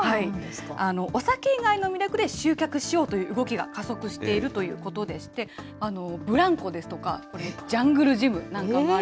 お酒以外の魅力で集客しようという動きが加速しているということでして、ブランコですとか、ジャングルジムなんかもある。